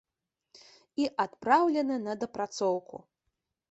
І адпраўлены на дапрацоўку!